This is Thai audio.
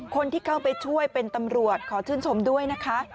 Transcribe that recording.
คนที่เข้าไปช่วยเป็นตำรวจขอชื่นชมด้วยนะคะ